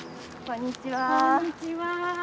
こんにちは。